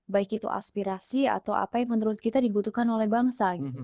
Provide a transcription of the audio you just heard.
baik itu aspirasi atau apa yang menurut kita dibutuhkan oleh bangsa